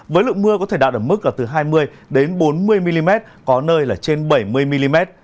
với lượng mưa có thể đạt ở mức là từ hai mươi bốn mươi mm có nơi là trên bảy mươi mm